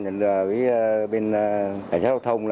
cảnh sát giao thông